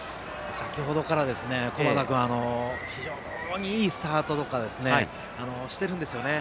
先程から、小畑君非常にいいスタートとかしてるんですよね。